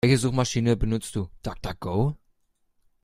Welche Suchmaschiene benutzt du? DuckDuckGo?